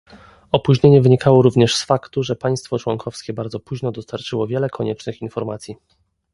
Opóźnienie wynikało również z faktu, że państwo członkowskie bardzo późno dostarczyło wiele koniecznych informacji